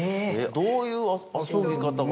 どういう遊び方が？